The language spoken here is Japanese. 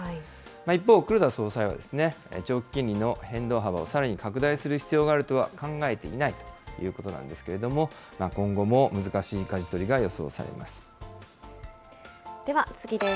一方、黒田総裁は、長期金利の変動幅をさらに拡大する必要があるとは考えていないということなんですけれども、今後も難しいかじ取りが予想されます。